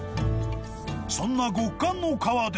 ［そんな極寒の川で］